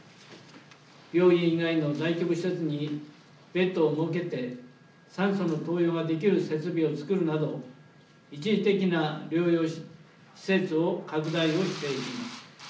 病院以外の来客施設にベッドを設けて酸素の投与ができる設備を作るなど、一時的な療養施設を拡大していきます。